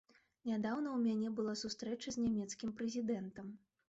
Нядаўна ў мяне была сустрэча з нямецкім прэзідэнтам.